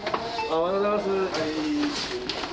おはようございます。